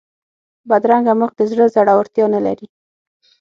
بدرنګه مخ د زړه زړورتیا نه لري